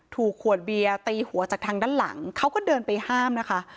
ถูกขวดเบียร์ตีหัวจากทางด้านหลังเขาก็เดินไปห้ามนะคะ